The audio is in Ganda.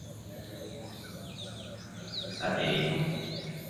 Byaliwo okusobola okwetaba mu mmisa eno.